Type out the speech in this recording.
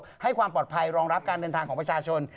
ให้สถานการณ์ปลอดภัยรองรับการเดินทางของประชาชน